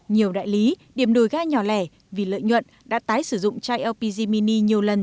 nhiều đại lý điểm đổi ga nhỏ lẻ vì lợi nhuận đã tái sử dụng chai lpg mini nhiều lần